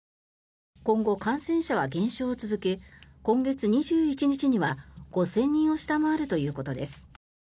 今後、感染者は減少を続け今月２１日には５０００人を下回るということです。